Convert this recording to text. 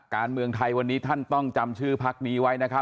การเมืองไทยวันนี้ท่านต้องจำชื่อแบบนี้ไว้